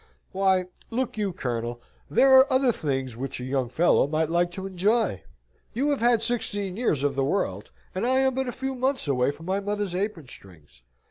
"Why, look you, Colonel, there are other things which a young fellow might like to enjoy. You have had sixteen years of the world: and I am but a few months away from my mother's apron strings.